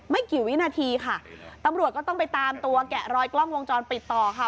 ไม่กี่วินาทีค่ะตำรวจก็ต้องไปตามตัวแกะรอยกล้องวงจรปิดต่อค่ะ